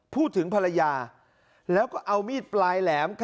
ภรรยาแล้วก็เอามีดปลายแหลม